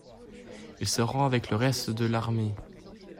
Il se rend avec le reste de l'armée.